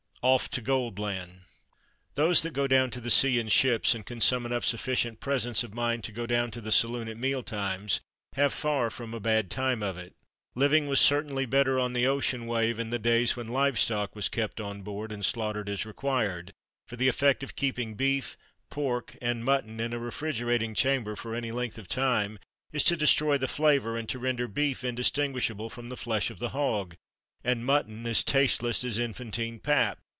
Off to Gold land! Those that go down to the sea in ships, and can summon up sufficient presence of mind to go down to the saloon at meal times, have far from a bad time of it. Living was certainly better on the ocean wave in the days when livestock was kept on board, and slaughtered as required; for the effect of keeping beef, pork, and mutton in a refrigerating chamber for any length of time is to destroy the flavour, and to render beef indistinguishable from the flesh of the hog, and mutton as tasteless as infantine pap.